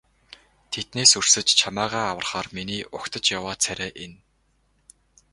Тэднээс өрсөж чамайгаа аврахаар миний угтаж яваа царай энэ.